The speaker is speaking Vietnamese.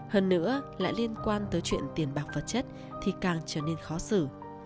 hơn nữa lại liên quan tới chuyện tiền bạc vật chất thì càng trở nên khó xử